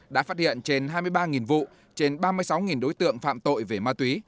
đã phát hiện trên hai mươi ba vụ trên ba mươi sáu đối tượng phạm tội về ma túy